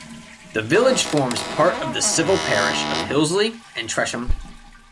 The village forms part of the civil parish of Hillesley and Tresham.